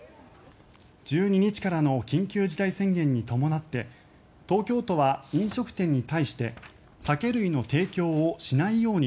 １２日からの緊急事態宣言に伴って東京都は飲食店に対して酒類の提供をしないように